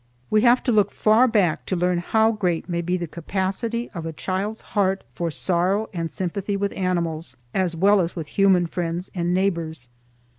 We have to look far back to learn how great may be the capacity of a child's heart for sorrow and sympathy with animals as well as with human friends and neighbors.